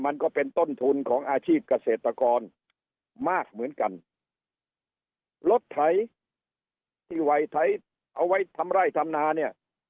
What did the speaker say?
มันก็เป็นต้นทุนของอาชีพเกษตรกรมากเหมือนกันรถไถที่วัยไถเอาไว้ทำไร่ทำนาเนี่ย